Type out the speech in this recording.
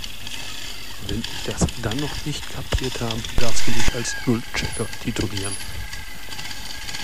Wenn ich es dann noch nicht kapiert habe, darfst du mich als Nullchecker titulieren.